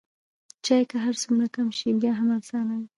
چای که هر څومره کم شي بیا هم ارزانه دی.